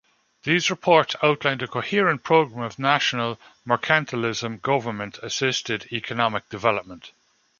These reports outlined a coherent program of national mercantilism- government-assisted economic development.